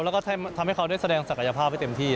แล้วก็ทำให้เขาได้แสดงศักยภาพให้เต็มที่